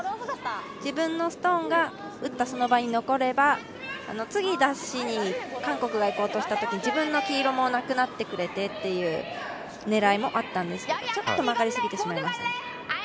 自分のストーンが打ったその場に残れば次出しに韓国が行こうとしたときに自分の黄色もなくなってくれてという狙いもあったんですけどちょっと曲がりすぎてしまいましたね。